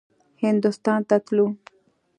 هندوستان ته تلو.